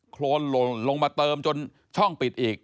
โครนหล่นลงมาเติมจนช่องปิดอีก